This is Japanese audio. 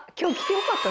よかった！